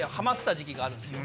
があるんですよ。